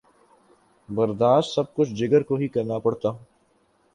برداشت سب کچھ جگر کو ہی کرنا پڑتا۔